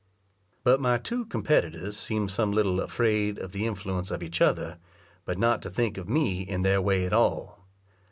But my two competitors seemed some little afraid of the influence of each other, but not to think me in their way at all.